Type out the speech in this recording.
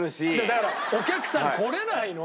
だからお客さん来れないの！